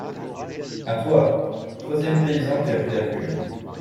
A toi ! troisième paysan qui a pris la plume.